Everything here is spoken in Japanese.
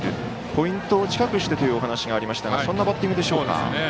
ポイントを近くしてというお話がありましたがそんなバッティングでしょうか。